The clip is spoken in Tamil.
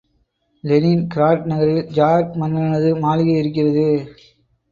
லெனின் கிராட் நகரில், ஜார் மன்னனது மாளிகை இருக்கிறது.